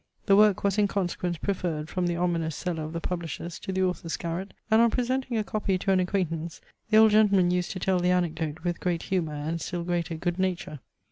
The work was in consequence preferred from the ominous cellar of the publisher's to the author's garret; and, on presenting a copy to an acquaintance, the old gentleman used to tell the anecdote with great humour and still greater good nature.